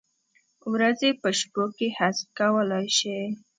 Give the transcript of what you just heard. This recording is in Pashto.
ورځې په شپو کې حذف کولای شي؟